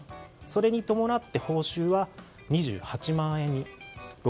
それに伴って、報酬は２８万円に。